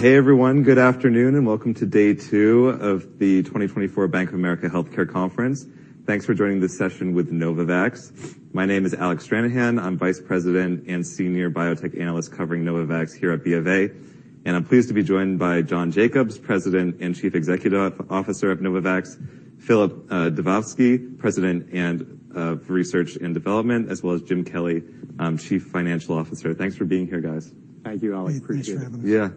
Hey everyone, good afternoon, and welcome to day two of the 2024 Bank of America Healthcare Conference. Thanks for joining this session with Novavax. My name is Alec Stranahan, I'm Vice President and Senior Biotech Analyst covering Novavax here at B of A, and I'm pleased to be joined by John Jacobs, President and Chief Executive Officer of Novavax; Filip Dubovsky, President of Research and Development; as well as Jim Kelly, Chief Financial Officer. Thanks for being here, guys. Thank you, Alec. Appreciate it. Hey, thanks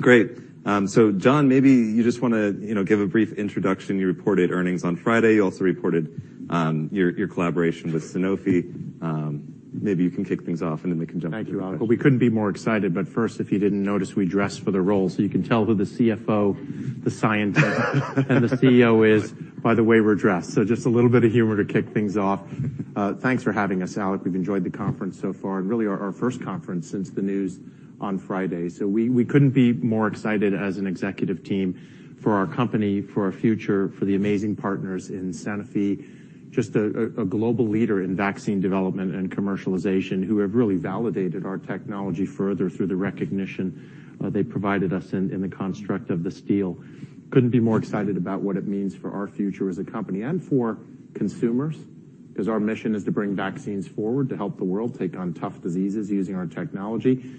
for having us. Yeah. Great. So John, maybe you just wanna, you know, give a brief introduction. You reported earnings on Friday. You also reported your collaboration with Sanofi. Maybe you can CIC things off and then we can jump into. Thank you, Alec. Well, we couldn't be more excited, but first, if you didn't notice, we dressed for the role. So you can tell who the CFO, the scientist, and the CEO is by the way we're dressed. So just a little bit of humor toCICthings off. Thanks for having us, Alec. We've enjoyed the conference so far, and really our, our first conference since the news on Friday. So we, we couldn't be more excited as an executive team for our company, for our future, for the amazing partners in Sanofi, just a, a, a global leader in vaccine development and commercialization who have really validated our technology further through the recognition they provided us in, in the construct of the deal. Couldn't be more excited about what it means for our future as a company and for consumers, 'cause our mission is to bring vaccines forward, to help the world take on tough diseases using our technology.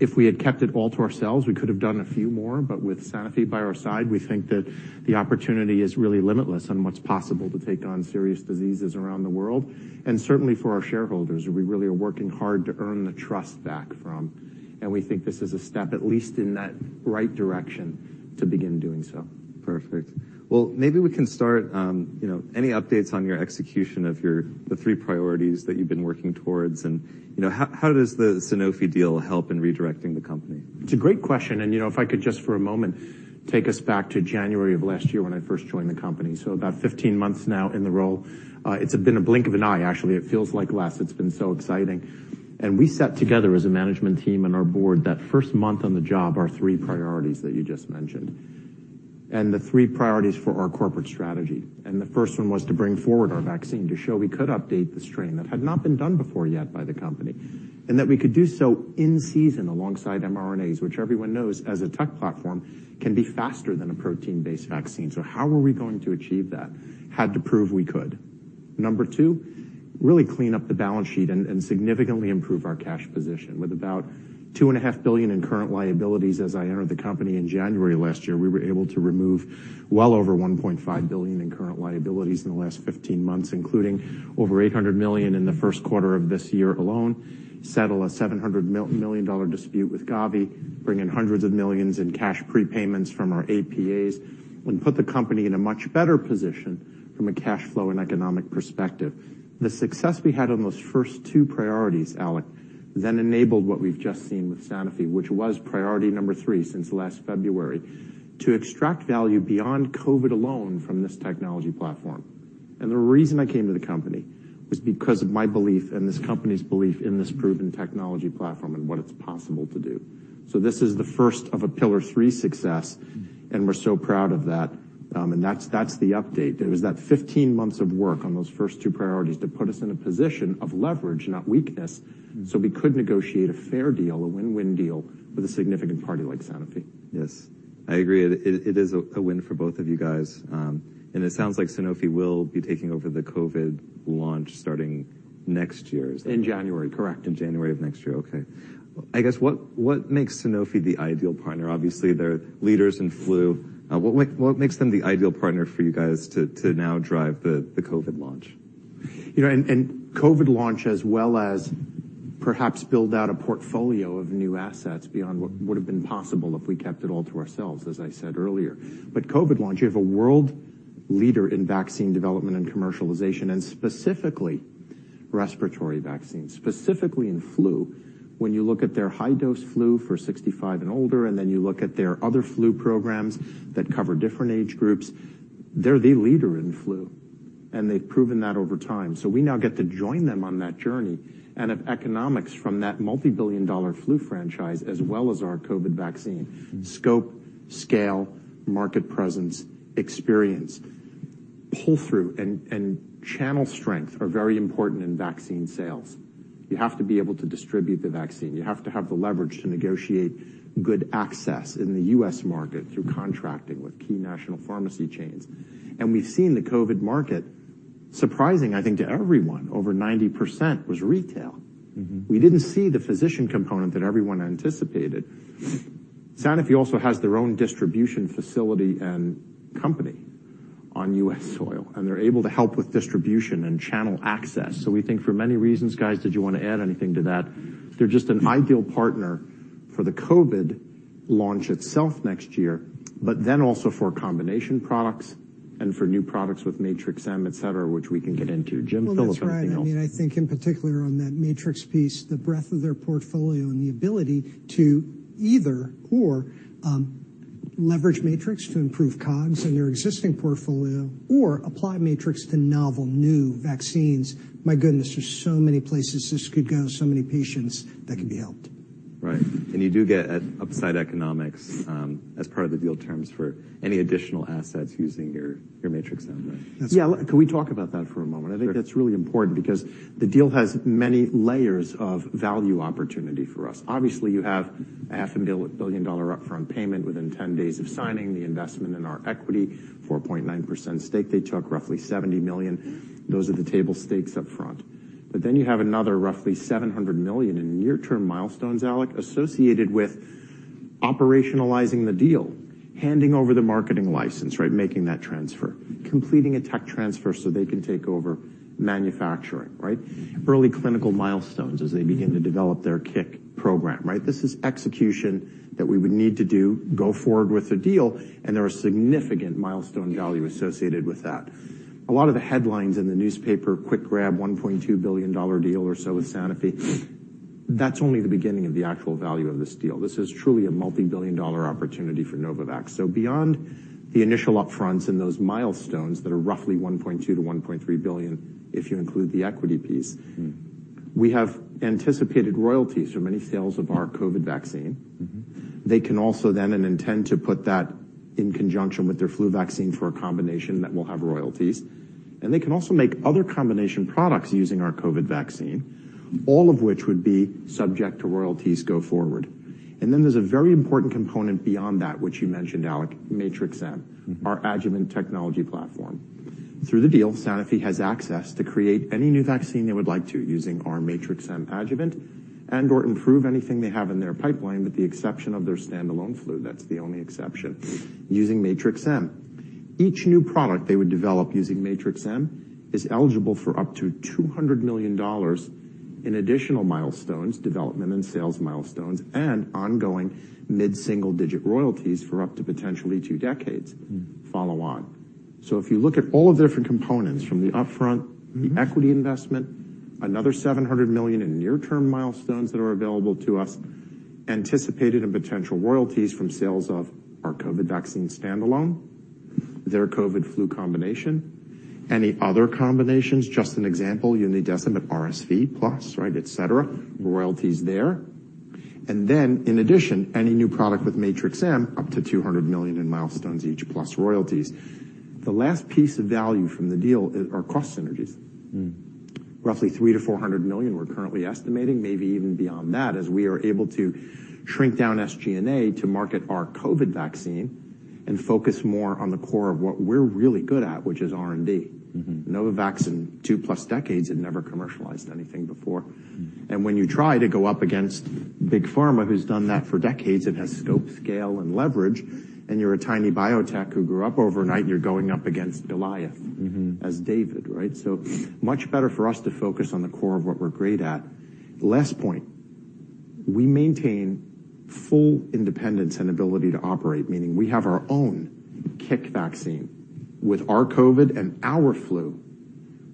If we had kept it all to ourselves, we could have done a few more, but with Sanofi by our side, we think that the opportunity is really limitless on what's possible to take on serious diseases around the world. And certainly for our shareholders, we really are working hard to earn the trust back from, and we think this is a step at least in that right direction to begin doing so. Perfect. Well, maybe we can start, you know, any updates on your execution of the three priorities that you've been working towards, and, you know, how does the Sanofi deal help in redirecting the company? It's a great question, and, you know, if I could just for a moment take us back to January of last year when I first joined the company. So about 15 months now in the role. It's been a blink of an eye, actually. It feels like less. It's been so exciting. And we sat together as a management team and our board that first month on the job, our three priorities that you just mentioned, and the three priorities for our corporate strategy. And the first one was to bring forward our vaccine, to show we could update the strain that had not been done before yet by the company, and that we could do so in season alongside mRNAs, which everyone knows as a tech platform can be faster than a protein-based vaccine. So how were we going to achieve that? Had to prove we could. Number two, really clean up the balance sheet and significantly improve our cash position. With about $2.5 billion in current liabilities as I entered the company in January last year, we were able to remove well over $1.5 billion in current liabilities in the last 15 months, including over $800 million in the first quarter of this year alone, settle a $700 million dispute with Gavi, bring in $hundreds of millions in cash prepayments from our APAs, and put the company in a much better position from a cash flow and economic perspective. The success we had on those first two priorities, Alec, then enabled what we've just seen with Sanofi, which was priority number three since last February, to extract value beyond COVID alone from this technology platform. The reason I came to the company was because of my belief and this company's belief in this proven technology platform and what it's possible to do. So this is the first of a pillar three success, and we're so proud of that. That's, that's the update. It was that 15 months of work on those first two priorities to put us in a position of leverage, not weakness, so we could negotiate a fair deal, a win-win deal, with a significant party like Sanofi. Yes. I agree. It is a win for both of you guys. And it sounds like Sanofi will be taking over the COVID launch starting next year. Is that? In January, correct. In January of next year. Okay. I guess what makes Sanofi the ideal partner? Obviously, they're leaders in flu. What makes them the ideal partner for you guys to now drive the COVID launch? You know, and, and COVID launch as well as perhaps build out a portfolio of new assets beyond what would have been possible if we kept it all to ourselves, as I said earlier. But COVID launch, you have a world leader in vaccine development and commercialization, and specifically respiratory vaccines, specifically in flu. When you look at their high-dose flu for 65 and older, and then you look at their other flu programs that cover different age groups, they're the leader in flu, and they've proven that over time. So we now get to join them on that journey and have economics from that multibillion-dollar flu franchise as well as our COVID vaccine. Scope, scale, market presence, experience, pull-through, and, and channel strength are very important in vaccine sales. You have to be able to distribute the vaccine. You have to have the leverage to negotiate good access in the US market through contracting with key national pharmacy chains. We've seen the COVID market surprising, I think, to everyone. Over 90% was retail. We didn't see the physician component that everyone anticipated. Sanofi also has their own distribution facility and company on US soil, and they're able to help with distribution and channel access. So we think for many reasons, guys, did you wanna add anything to that? They're just an ideal partner for the COVID launch itself next year, but then also for combination products and for new products with Matrix-M, etc., which we can get into. Jim, Filip, anything else? One more thing. I mean, in particular on that Matrix piece, the breadth of their portfolio and the ability to either or, leverage Matrix to improve COGS in their existing portfolio or apply Matrix to novel new vaccines. My goodness, there's so many places this could go, so many patients that could be helped. Right. And you do get upside economics, as part of the deal terms for any additional assets using your, your Matrix-M, right? That's right. Yeah. Can we talk about that for a moment? I think that's really important because the deal has many layers of value opportunity for us. Obviously, you have a $500 million upfront payment within 10 days of signing, the investment in our equity, 4.9% stake they took, roughly $70 million. Those are the table stakes upfront. But then you have another roughly $700 million in near-term milestones, Alec, associated with operationalizing the deal, handing over the marketing license, right, making that transfer, completing a tech transfer so they can take over manufacturing, right, early clinical milestones as they begin to develop their kick program, right? This is execution that we would need to do, go forward with the deal, and there are significant milestone value associated with that. A lot of the headlines in the newspaper, quick grab, $1.2 billion deal or so with Sanofi, that's only the beginning of the actual value of this deal. This is truly a multibillion dollar opportunity for Novavax. So beyond the initial upfronts and those milestones that are roughly $1.2 billion-$1.3 billion if you include the equity piece, we have anticipated royalties from any sales of our COVID vaccine. They can also then and intend to put that in conjunction with their flu vaccine for a combination that will have royalties. And they can also make other combination products using our COVID vaccine, all of which would be subject to royalties go forward. And then there's a very important component beyond that, which you mentioned, Alec, Matrix-M, our adjuvant technology platform. Through the deal, Sanofi has access to create any new vaccine they would like to using our Matrix-M adjuvant and/or improve anything they have in their pipeline, with the exception of their standalone flu. That's the only exception, using Matrix-M. Each new product they would develop using Matrix-M is eligible for up to $200 million in additional milestones, development and sales milestones, and ongoing mid-single digit royalties for up to potentially two decades follow on. So if you look at all of the different components from the upfront, the equity investment, another $700 million in near-term milestones that are available to us, anticipated and potential royalties from sales of our COVID vaccine standalone, their COVID/flu combination, any other combinations, just an example, influenza but RSV plus, right, etc., royalties there. And then in addition, any new product with Matrix-M, up to $200 million in milestones each plus royalties. The last piece of value from the deal is our cost synergies. Roughly $300-$400 million we're currently estimating, maybe even beyond that, as we are able to shrink down SG&A to market our COVID vaccine and focus more on the core of what we're really good at, which is R&D. Novavax in 2+ decades had never commercialized anything before. And when you try to go up against Big Pharma, who's done that for decades and has scope, scale, and leverage, and you're a tiny biotech who grew up overnight, you're going up against Goliath as David, right? So much better for us to focus on the core of what we're great at. Last point, we maintain full independence and ability to operate, meaning we have our own CIC vaccine with our COVID and our flu.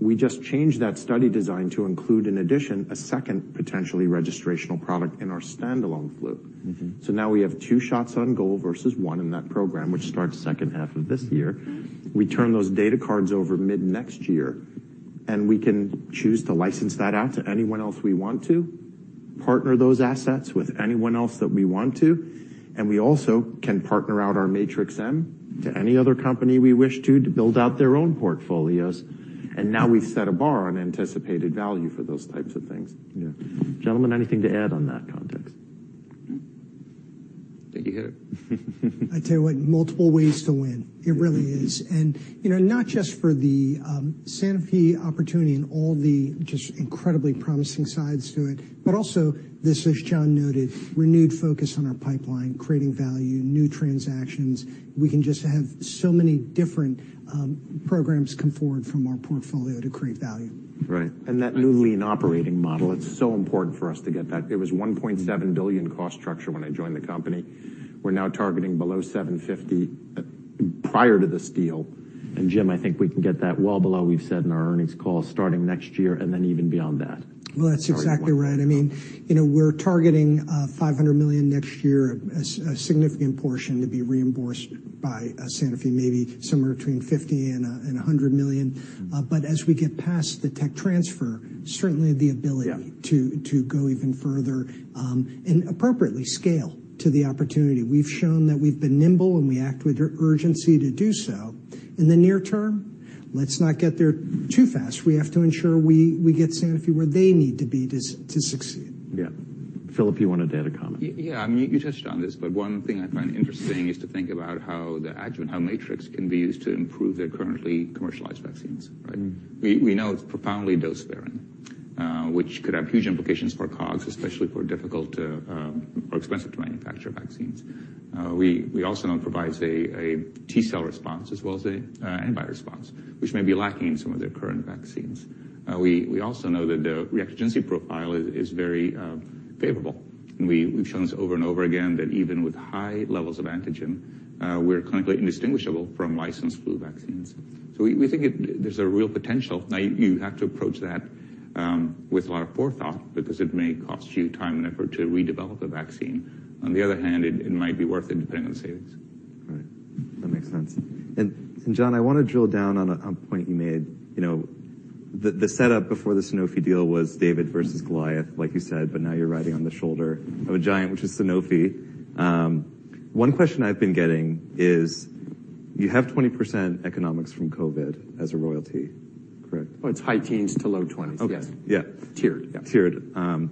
We just changed that study design to include, in addition, a second potentially registrational product in our standalone flu. So now we have two shots on goal versus one in that program, which starts second half of this year. We turn those data cards over mid-next year, and we can choose to license that out to anyone else we want to, partner those assets with anyone else that we want to, and we also can partner out our Matrix-M to any other company we wish to to build out their own portfolios. And now we've set a bar on anticipated value for those types of things. Yeah. Gentlemen, anything to add on that context? I think you hit it. I tell you what, multiple ways to win. It really is. And, you know, not just for the, Sanofi opportunity and all the just incredibly promising sides to it, but also this, as John noted, renewed focus on our pipeline, creating value, new transactions. We can just have so many different, programs come forward from our portfolio to create value. Right. And that newly operating model, it's so important for us to get that. It was $1.7 billion cost structure when I joined the company. We're now targeting below $750 million prior to this deal. And Jim, I think we can get that well below what we've said in our earnings call starting next year and then even beyond that. Well, that's exactly right. I mean, you know, we're targeting $500 million next year, a significant portion to be reimbursed by Sanofi, maybe somewhere between $50 million and $100 million. But as we get past the tech transfer, certainly the ability to go even further, and appropriately scale to the opportunity. We've shown that we've been nimble, and we act with urgency to do so. In the near term, let's not get there too fast. We have to ensure we get Sanofi where they need to be to succeed. Yeah. Filip, you wanted to add a comment. Yeah. I mean, you touched on this, but one thing I find interesting is to think about how the adjuvant, how Matrix can be used to improve their currently commercialized vaccines, right? We, we know it's profoundly dose-sparing, which could have huge implications for COGS, especially for difficult to, or expensive to manufacture vaccines. We, we also know it provides a, a T-cell response as well as a, antibody response, which may be lacking in some of their current vaccines. We, we also know that the reactogenicity profile is, is very, favorable. And we, we've shown this over and over again, that even with high levels of antigen, we're clinically indistinguishable from licensed flu vaccines. So we, we think it there's a real potential. Now, you, you have to approach that, with a lot of forethought because it may cost you time and effort to redevelop a vaccine. On the other hand, it might be worth it depending on the savings. Right. That makes sense. And John, I wanna drill down on a point you made. You know, the setup before the Sanofi deal was David versus Goliath, like you said, but now you're riding on the shoulder of a giant, which is Sanofi. One question I've been getting is you have 20% economics from COVID as a royalty, correct? Oh, it's high teens to low twenties, yes. Okay. Yeah. Tiered. Yeah. Tiered.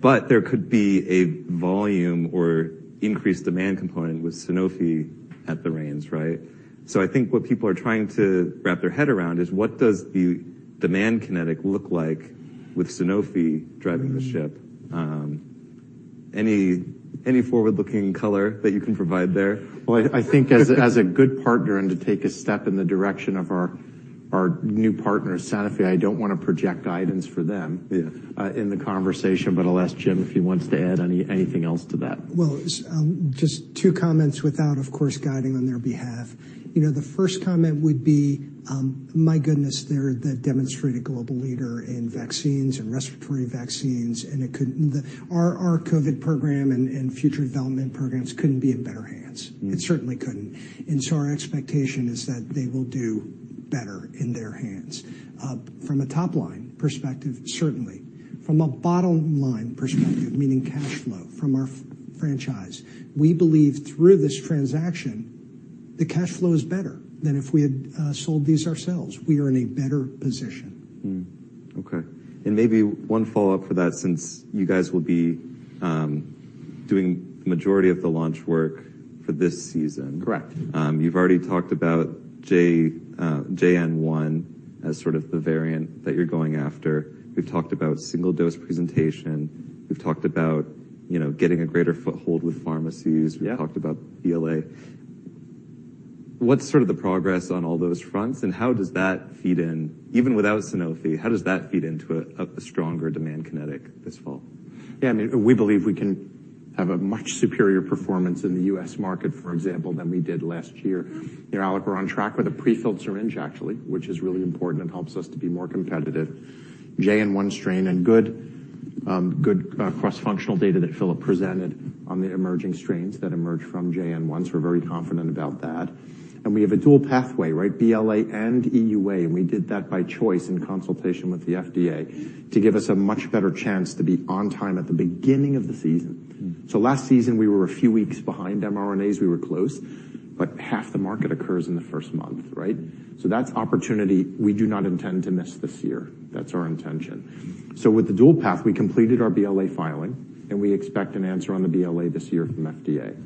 But there could be a volume or increased demand component with Sanofi at the reins, right? So I think what people are trying to wrap their head around is what does the demand kinetic look like with Sanofi driving the ship? Any, any forward-looking color that you can provide there? Well, I think as a good partner and to take a step in the direction of our new partner, Sanofi, I don't wanna project guidance for them in the conversation, but I'll ask Jim if he wants to add anything else to that. Well, it's just two comments without, of course, guiding on their behalf. You know, the first comment would be, my goodness, they're the demonstrated global leader in vaccines and respiratory vaccines, and it couldn't the our, our COVID program and, and future development programs couldn't be in better hands. It certainly couldn't. And so our expectation is that they will do better in their hands from a top-line perspective, certainly. From a bottom-line perspective, meaning cash flow from our franchise, we believe through this transaction, the cash flow is better than if we had sold these ourselves. We are in a better position. Okay. And maybe one follow-up for that since you guys will be doing the majority of the launch work for this season. Correct. You've already talked about J, JN.1 as sort of the variant that you're going after. We've talked about single-dose presentation. We've talked about, you know, getting a greater foothold with pharmacies. We've talked about BLA. What's sort of the progress on all those fronts, and how does that feed in even without Sanofi, how does that feed into a, a, a stronger demand kinetic this fall? Yeah. I mean, we believe we can have a much superior performance in the US market, for example, than we did last year. You know, Alec, we're on track with a prefilled syringe, actually, which is really important and helps us to be more competitive. JN.1 strain and good, good, cross-functional data that Filip presented on the emerging strains that emerge from JN.1, so we're very confident about that. And we have a dual pathway, right, BLA and EUA, and we did that by choice in consultation with the FDA to give us a much better chance to be on time at the beginning of the season. So last season, we were a few weeks behind mRNAs. We were close, but half the market occurs in the first month, right? So that's opportunity. We do not intend to miss this year. That's our intention. So with the dual path, we completed our BLA filing, and we expect an answer on the BLA this year from FDA.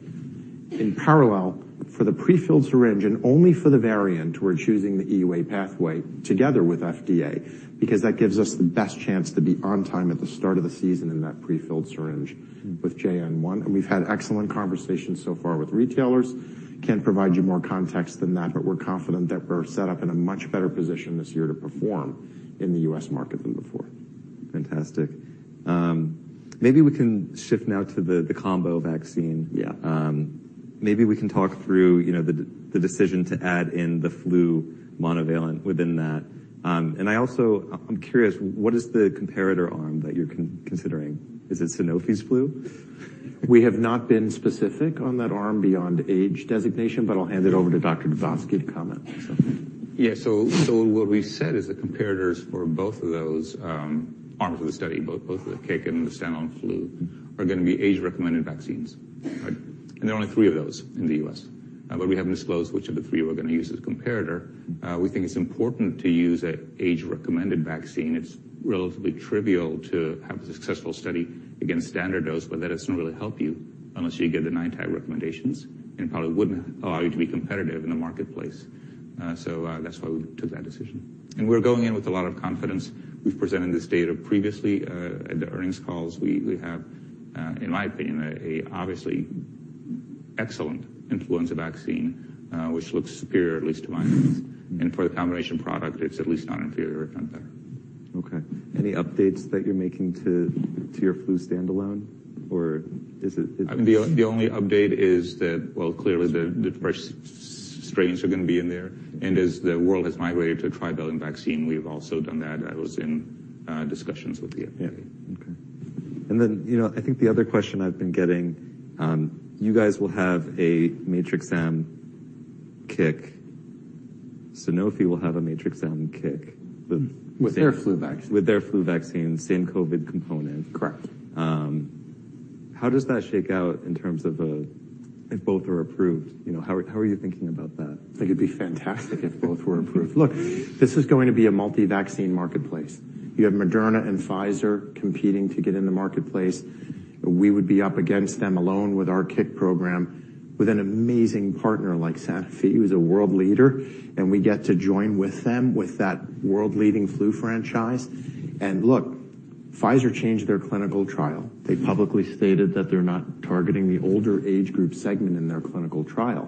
In parallel, for the prefilled syringe and only for the variant, we're choosing the EUA pathway together with FDA because that gives us the best chance to be on time at the start of the season in that prefilled syringe with JN.1. We've had excellent conversations so far with retailers. Can't provide you more context than that, but we're confident that we're set up in a much better position this year to perform in the U.S. market than before. Fantastic. Maybe we can shift now to the combo vaccine. Maybe we can talk through, you know, the decision to add in the flu monovalent within that. And I also, I'm curious, what is the comparator arm that you're considering? Is it Sanofi's flu? We have not been specific on that arm beyond age designation, but I'll hand it over to Dr. Dubovsky to comment, so. Yeah. So, so what we've said is the comparators for both of those arms of the study, both of the kick and the standalone flu, are gonna be age-recommended vaccines, right? And there are only three of those in the U.S. But we haven't disclosed which of the three we're gonna use as comparator. We think it's important to use a age-recommended vaccine. It's relatively trivial to have a successful study against standard dose, but that doesn't really help you unless you get the high-dose recommendations and probably wouldn't allow you to be competitive in the marketplace. So, that's why we took that decision. And we're going in with a lot of confidence. We've presented this data previously, at the earnings calls. We, we have, in my opinion, a, a obviously excellent influenza vaccine, which looks superior, at least to my views. For the combination product, it's at least not inferior if not better. Okay. Any updates that you're making to your flu standalone, or is it? I mean, the only update is that, well, clearly, the first strains are gonna be in there. And as the world has migrated to a trivalent vaccine, we've also done that. I was in discussions with the FDA. Yeah. Okay. And then, you know, I think the other question I've been getting, you guys will have a Matrix-M kick. Sanofi will have a Matrix-M kick with. With their flu vaccine. With their flu vaccine, same COVID component. Correct. How does that shake out in terms of, if both are approved? You know, how are you thinking about that? I think it'd be fantastic if both were approved. Look, this is going to be a multi-vaccine marketplace. You have Moderna and Pfizer competing to get in the marketplace. We would be up against them alone with our kick program with an amazing partner like Sanofi who is a world leader, and we get to join with them with that world-leading flu franchise. Look, Pfizer changed their clinical trial. They publicly stated that they're not targeting the older age group segment in their clinical trial,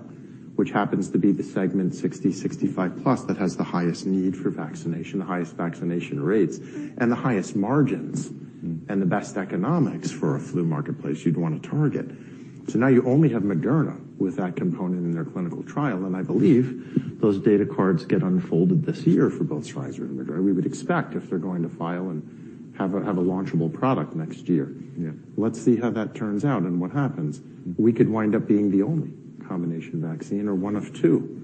which happens to be the segment 60, 65+ that has the highest need for vaccination, the highest vaccination rates, and the highest margins and the best economics for a flu marketplace you'd wanna target. So now you only have Moderna with that component in their clinical trial, and I believe those data cards get unfolded this year for both Pfizer and Moderna. We would expect if they're going to file and have a launchable product next year. Yeah. Let's see how that turns out and what happens. We could wind up being the only combination vaccine or one of two.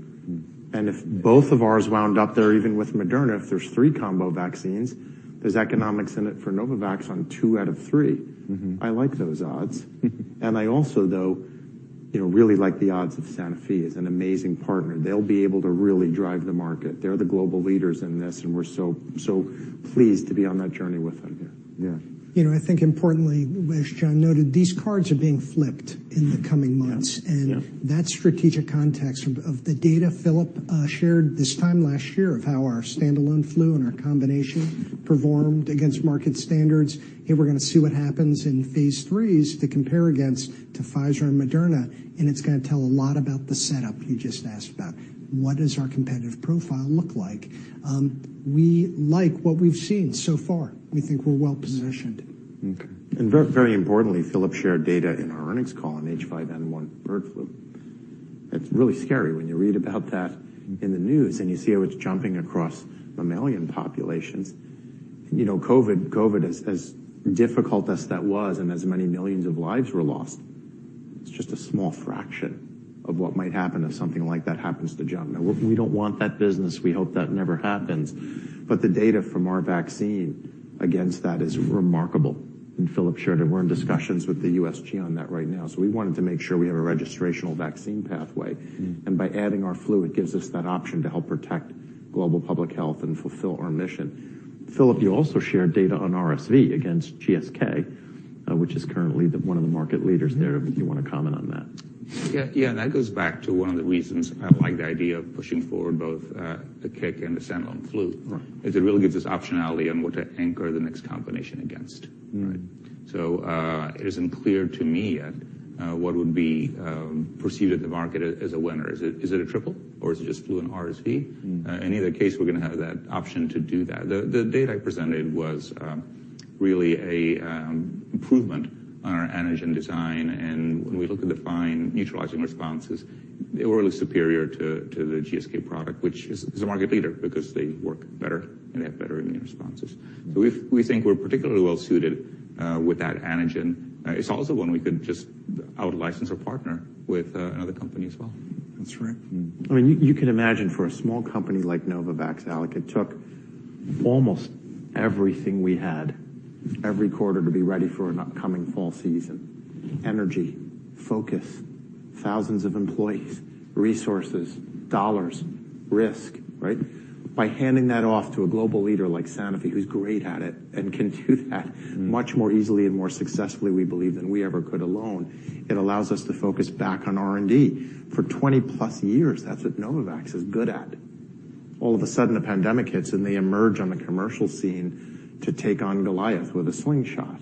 And if both of ours wound up there, even with Moderna, if there's three combo vaccines, there's economics in it for Novavax on two out of three. I like those odds. And I also, though, you know, really like the odds of Sanofi as an amazing partner. They'll be able to really drive the market. They're the global leaders in this, and we're so, so pleased to be on that journey with them here. Yeah. You know, I think importantly, as John noted, these cards are being flipped in the coming months, and that strategic context of the data Filip shared this time last year of how our standalone flu and our combination performed against market standards. Hey, we're gonna see what happens in phase threes to compare against to Pfizer and Moderna, and it's gonna tell a lot about the setup you just asked about. What does our competitive profile look like? We like what we've seen so far. We think we're well positioned. Okay. And very, very importantly, Filip shared data in our earnings call on H5N1 bird flu. It's really scary when you read about that in the news and you see how it's jumping across mammalian populations. You know, COVID, COVID, as, as difficult as that was and as many millions of lives were lost, it's just a small fraction of what might happen if something like that happens to humans. Now, we, we don't want that business. We hope that never happens. But the data from our vaccine against that is remarkable. And Filip shared it. We're in discussions with the USG on that right now. So we wanted to make sure we have a registrational vaccine pathway. And by adding our flu, it gives us that option to help protect global public health and fulfill our mission. Filip, you also shared data on RSV against GSK, which is currently the one of the market leaders there. If you wanna comment on that. Yeah. Yeah. And that goes back to one of the reasons I like the idea of pushing forward both the kick and the standalone flu, is it really gives us optionality on what to anchor the next combination against, right? So, it isn't clear to me yet what would be perceived at the market as a winner. Is it a triple, or is it just flu and RSV? In either case, we're gonna have that option to do that. The data I presented was really an improvement on our antigen design. And when we look at the fine neutralizing responses, they were really superior to the GSK product, which is a market leader because they work better, and they have better immune responses. So we think we're particularly well-suited with that antigen. It's also one we could just outlicense or partner with, another company as well. That's right. I mean, you can imagine for a small company like Novavax, Alec, it took almost everything we had every quarter to be ready for an upcoming fall season: energy, focus, thousands of employees, resources, dollars, risk, right? By handing that off to a global leader like Sanofi who's great at it and can do that much more easily and more successfully, we believe, than we ever could alone, it allows us to focus back on R&D. For 20+ years, that's what Novavax is good at. All of a sudden, a pandemic hits, and they emerge on the commercial scene to take on Goliath with a slingshot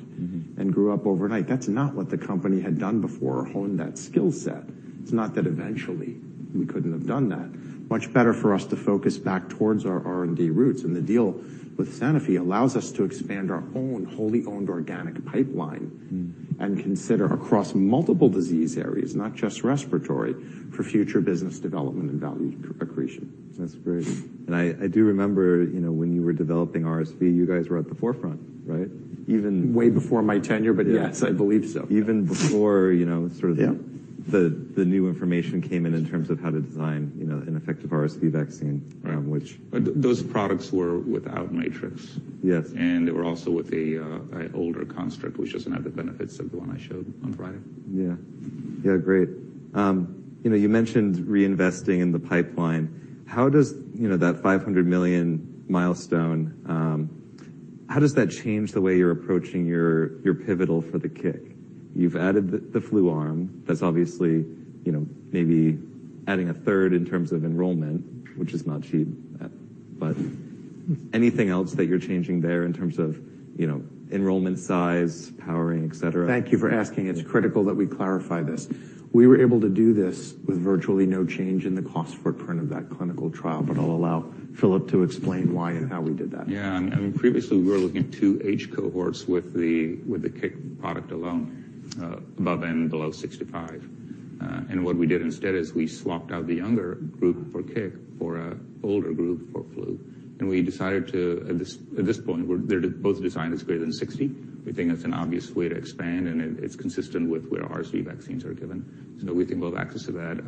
and grew up overnight. That's not what the company had done before or honed that skill set. It's not that eventually, we couldn't have done that. Much better for us to focus back towards our R&D roots. The deal with Sanofi allows us to expand our own wholly owned organic pipeline and consider across multiple disease areas, not just respiratory, for future business development and value accretion. That's great. I do remember, you know, when you were developing RSV, you guys were at the forefront, right? Even. Way before my tenure, but yes, I believe so. Even before, you know, sort of the new information came in in terms of how to design, you know, an effective RSV vaccine, which. Right. But those products were without Matrix. Yes. They were also with an older construct, which doesn't have the benefits of the one I showed on Friday. Yeah. Yeah. Great. You know, you mentioned reinvesting in the pipeline. How does, you know, that $500 million milestone, how does that change the way you're approaching your, your pivotal for the kick? You've added the, the flu arm. That's obviously, you know, maybe adding a third in terms of enrollment, which is not cheap, but anything else that you're changing there in terms of, you know, enrollment size, powering, etc.? Thank you for asking. It's critical that we clarify this. We were able to do this with virtually no change in the cost footprint of that clinical trial, but I'll allow Filip to explain why and how we did that. Yeah. I mean, I mean, previously, we were looking at two age cohorts with the kick product alone, above and below 65. What we did instead is we swapped out the younger group for kick for an older group for flu. We decided to at this point, they're both designed as greater than 60. We think that's an obvious way to expand, and it's consistent with where RSV vaccines are given. So we think we'll have access to that,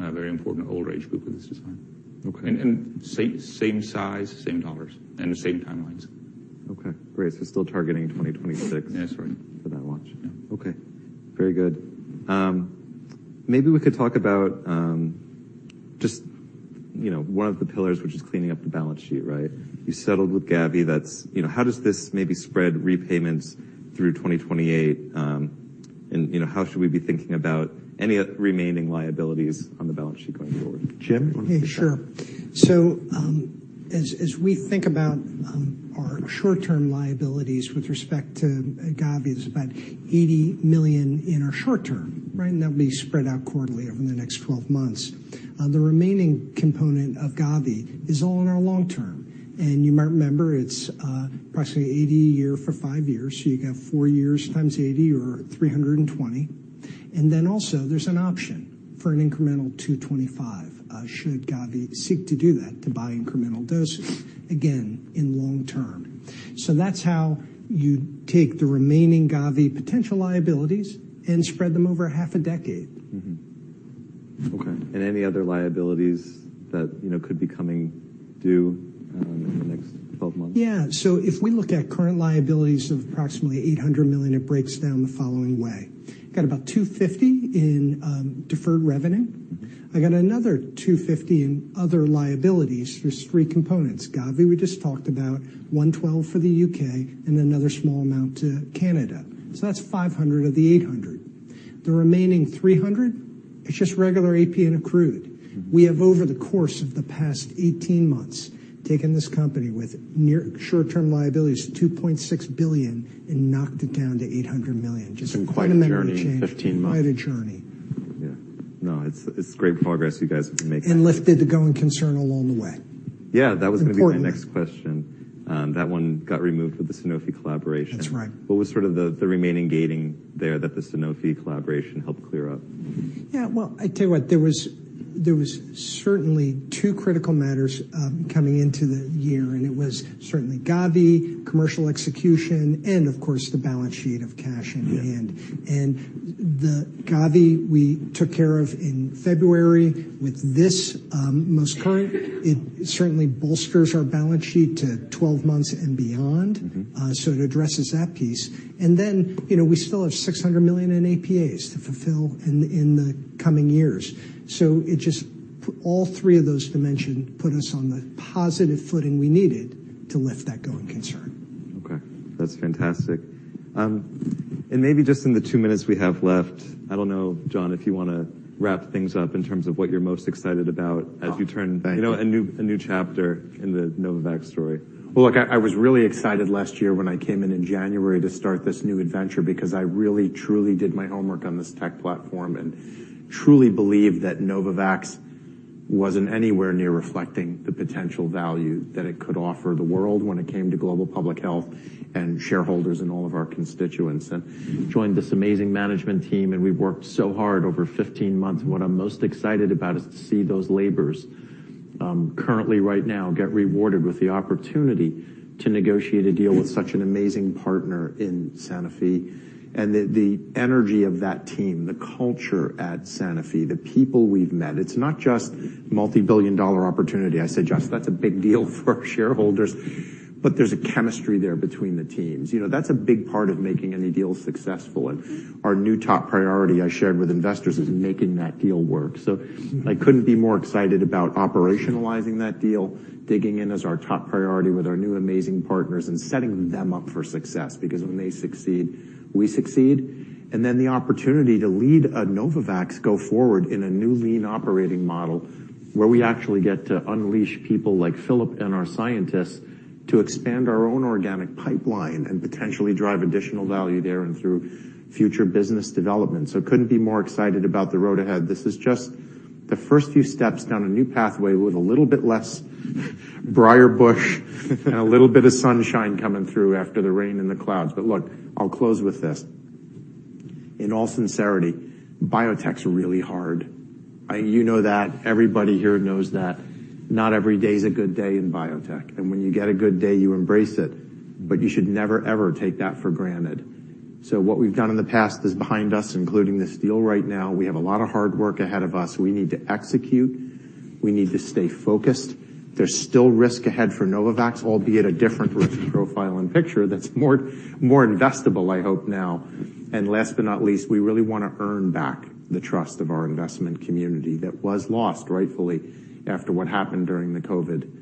a very important older age group with this design. Okay. Same size, same dollars, and the same timelines. Okay. Great. So still targeting 2026. Yes. Right. For that launch. Yeah. Okay. Very good. Maybe we could talk about, just, you know, one of the pillars, which is cleaning up the balance sheet, right? You settled with Gavi. That's, you know, how does this maybe spread repayments through 2028, and, you know, how should we be thinking about any remaining liabilities on the balance sheet going forward? Jim? Hey, sure. So, as we think about our short-term liabilities with respect to Gavi, it's about $80 million in our short term, right? And that'll be spread out quarterly over the next 12 months. The remaining component of Gavi is all in our long term. And you might remember it's approximately $80 million a year for five years. So you've got four years times $80 million or $320 million. And then also, there's an option for an incremental $225 million, should Gavi seek to do that, to buy incremental doses, again, in long term. So that's how you take the remaining Gavi potential liabilities and spread them over half a decade. Okay. Any other liabilities that, you know, could be coming due in the next 12 months? Yeah. So if we look at current liabilities of approximately $800 million, it breaks down the following way. I've got about $250 million in deferred revenue. I got another $250 million in other liabilities. There's three components. Gavi, we just talked about, $112 million for the UK and another small amount to Canada. So that's $500 million of the $800 million. The remaining $300 million, it's just regular AP and accrued. We have, over the course of the past 18 months, taken this company with near short-term liabilities to $2.6 billion and knocked it down to $800 million. Just quite a journey to change. It's quite a journey. 15 months. Quite a journey. Yeah. No, it's, it's great progress you guys have been making. Lifted the going concern along the way. Yeah. That was gonna be my next question. That one got removed with the Sanofi collaboration. That's right. What was sort of the remaining gating there that the Sanofi collaboration helped clear up? Yeah. Well, I tell you what. There was certainly two critical matters coming into the year, and it was certainly Gavi, commercial execution, and, of course, the balance sheet of cash in hand. And the Gavi we took care of in February with this most current; it certainly bolsters our balance sheet to 12 months and beyond. So it addresses that piece. And then, you know, we still have $600 million in APAs to fulfill in the coming years. So it just all three of those dimensions put us on the positive footing we needed to lift that going concern. Okay. That's fantastic. Maybe just in the two minutes we have left, I don't know, John, if you wanna wrap things up in terms of what you're most excited about as you turn. Thanks. You know, a new chapter in the Novavax story. Well, look, I was really excited last year when I came in in January to start this new adventure because I really, truly did my homework on this tech platform and truly believed that Novavax wasn't anywhere near reflecting the potential value that it could offer the world when it came to global public health and shareholders and all of our constituents. And joined this amazing management team, and we've worked so hard over 15 months. And what I'm most excited about is to see those labors, currently right now, get rewarded with the opportunity to negotiate a deal with such an amazing partner in Sanofi. And the energy of that team, the culture at Sanofi, the people we've met, it's not just multibillion-dollar opportunity. I say, "Josh, that's a big deal for our shareholders," but there's a chemistry there between the teams. You know, that's a big part of making any deal successful. And our new top priority I shared with investors is making that deal work. So I couldn't be more excited about operationalizing that deal, digging in as our top priority with our new amazing partners, and setting them up for success because when they succeed, we succeed. And then the opportunity to lead a Novavax go forward in a new lean operating model where we actually get to unleash people like Filip and our scientists to expand our own organic pipeline and potentially drive additional value there and through future business development. So I couldn't be more excited about the road ahead. This is just the first few steps down a new pathway with a little bit less briar bush and a little bit of sunshine coming through after the rain and the clouds. Look, I'll close with this. In all sincerity, biotech's really hard. I, you know that. Everybody here knows that. Not every day's a good day in biotech. When you get a good day, you embrace it, but you should never, ever take that for granted. What we've done in the past is behind us, including this deal right now. We have a lot of hard work ahead of us. We need to execute. We need to stay focused. There's still risk ahead for Novavax, albeit a different risk profile and picture that's more, more investable, I hope, now. Last but not least, we really wanna earn back the trust of our investment community that was lost, rightfully, after what happened during the COVID pandemic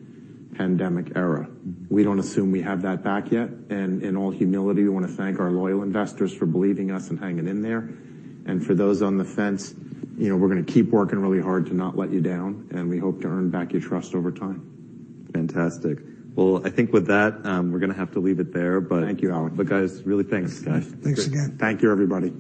era. We don't assume we have that back yet. In all humility, we wanna thank our loyal investors for believing us and hanging in there. For those on the fence, you know, we're gonna keep working really hard to not let you down, and we hope to earn back your trust over time. Fantastic. Well, I think with that, we're gonna have to leave it there, but. Thank you, Alec. Guys, really thanks, guys. Thanks again. Thank you, everybody.